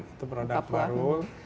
itu produk baru